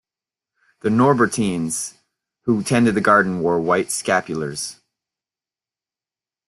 The Norbertines who tended the garden wore white scapulars.